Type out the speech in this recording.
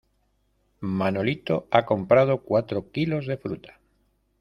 Manolito ha comprado cuatro kilos de fruta.